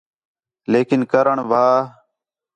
لیکن کرݨ بن بھا